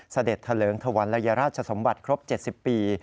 เสด็จเถลิงถวันลัยราชสมบัติครบ๗๐ปี